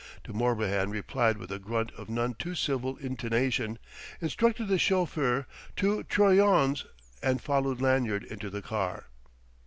De Morbihan replied with a grunt of none too civil intonation, instructed the chauffeur "To Troyon's," and followed Lanyard into the car.